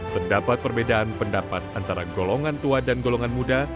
terdapat perbedaan pendapat antara golongan tua dan golongan muda